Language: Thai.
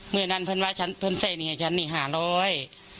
เมื่อนั้นเพลินว่าเพลินใส่หนีให้ฉันหนีห้าร้อย